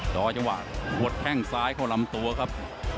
รอจังหวะหัวแข้งซ้ายเข้าลำตัวครับ